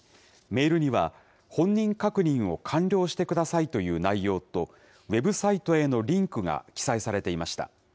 メールには、本人確認を完了してくださいという内容と、ウェブサイトへのリンクが記載されていました。